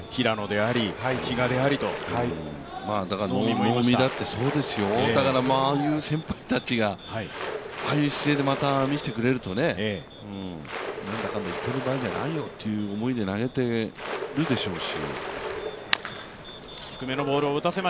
ああいう先輩たちがああいう姿勢でまた見せてくれるから、なんだかんだ言ってるんじゃないよという気持ちで投げていると思うし。